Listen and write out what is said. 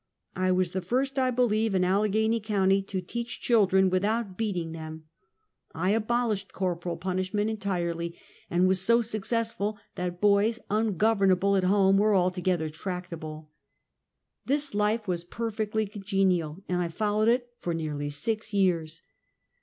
I was the first, I believe, in Allegheny Co., to teach children without beating Lose mt Beothee. 33 tliem, 1 abolished corporeal punishment entirely, and was so successful that boys, ungovernable at home, were altogether tractable. This life was perfectly congenial, and I followed it for nearly six years.